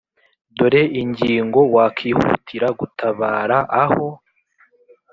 dore ingingo wakihutira gutabara aho